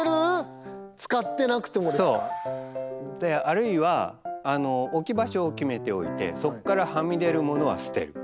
あるいは置き場所を決めておいてそこからはみ出る物は捨てる。